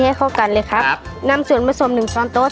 ให้เข้ากันเลยครับครับนำส่วนผสมหนึ่งซอนโต๊